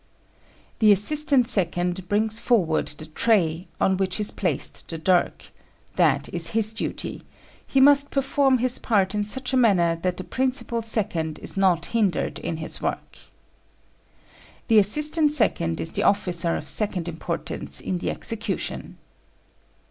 _ The assistant second brings forward the tray, on which is placed the dirk; that is his duty: he must perform his part in such a manner that the principal second is not hindered in his work. The assistant second is the officer of second importance in the execution.